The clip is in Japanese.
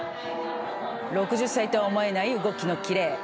６０歳とは思えない動きのキレ。